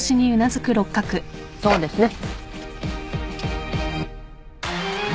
そうですね。